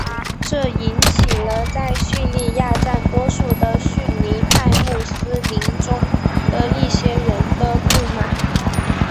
这引起了在叙利亚占多数的逊尼派穆斯林中的一些人的不满。